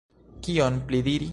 Kion pli diri?